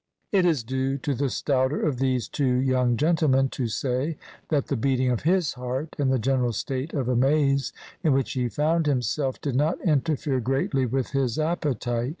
It is due to the stouter of these two young gentlemen to say that the beating of his heart, and the general state of amaze in which he found himself, did not interfere greatly with his appetite.